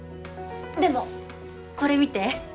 でもこれ見て。